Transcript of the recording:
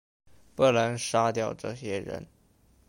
不能杀掉这些人